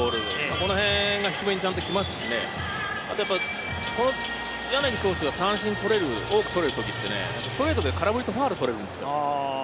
このへんが低めにちゃんと来ますんで、柳投手が三振を多く取れる時はストレートで空振りとファウルがとれるんですよ。